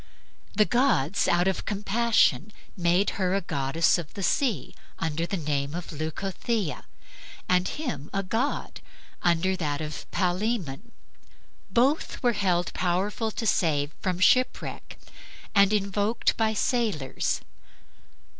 The gods, out of compassion, made her a goddess of the sea, under the name of Leucothea, and him a god, under that of Palaemon. Both were held powerful to save from shipwreck and were invoked by sailors.